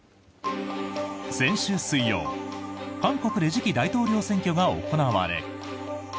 先週水曜、韓国で次期大統領選挙が行われ。